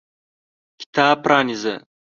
کتاب پرانیزه !